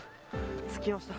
着きました。